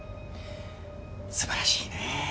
素晴らしいね。